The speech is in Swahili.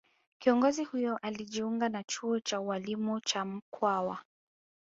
Kiongozi huyo alijiunga na chuo cha ualimu cha Mkwawa